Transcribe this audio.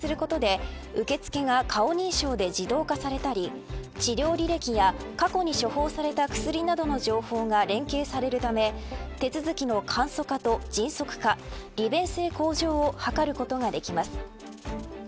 マイナ保険証にすることで受け付けが顔認証で自動化されたり治療履歴や過去に処方された薬などの情報が連携されるため手続きの簡素化と迅速化利便性向上を図ることができます。